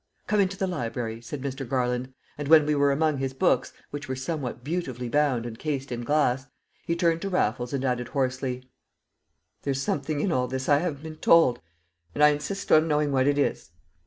"Come into the library," said Mr. Garland; and when we were among his books, which were somewhat beautifully bound and cased in glass, he turned to Raffles and added hoarsely: "There's something in all this I haven't been told, and I insist on knowing what it is."